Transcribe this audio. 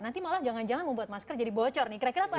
nanti malah jangan jangan membuat masker jadi bocor nih kira kira apa